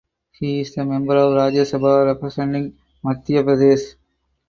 He is member of Rajya Sabha representing Madhya Pradesh.